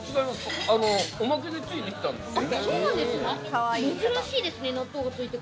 おまけで、ついてきたんです。